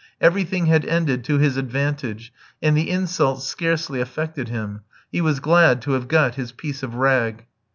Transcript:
Everything had ended to his advantage, and the insults scarcely affected him; he was glad to have got his piece of rag.